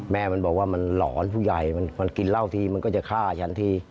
แม่มันบอกว่ามันหลอนผู้ใหญ่มันกินเหล้าทีมันก็จะฆ่าฉันที